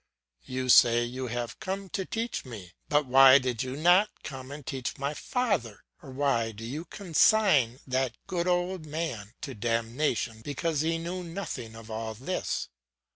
You say you have come to teach me; but why did you not come and teach my father, or why do you consign that good old man to damnation because he knew nothing of all this?